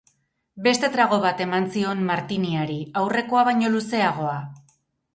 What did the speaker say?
Beste trago bat eman zion martiniari, aurrekoa baino luzeagoa.